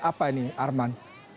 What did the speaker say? apa ini arman